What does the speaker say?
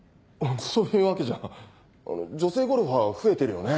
そういうわけじゃ女性ゴルファー増えてるよね。